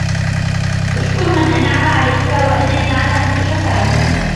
اشكر من أَنْعَمَ عليك وأَنْعِمْ على من شكرك